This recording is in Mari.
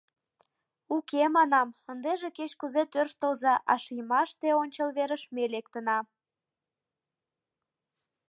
Уке, — манам, — ындыже кеч-кузе тӧрштылза, а шиймаште ончыл верыш ме лектына!